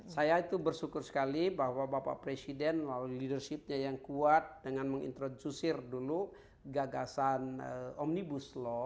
saya itu bersyukur sekali bahwa bapak presiden melalui leadershipnya yang kuat dengan mengintrodusir dulu gagasan omnibus law